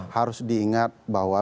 harus diingat bahwa